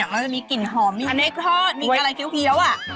มันจะมีกลิ่นหอมอันนี้ทอดมีอะไรเคี้ยวอ่ะ